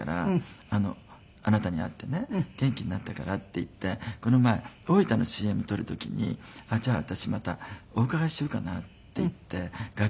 「あなたに会ってね元気になったから」って言ってこの前大分のＣＭ撮る時に「じゃあ私またお伺いしようかな」って言って楽屋まで来てくれたの。